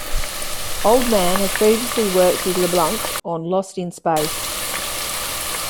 Oldman had previously worked with LeBlanc on "Lost in Space".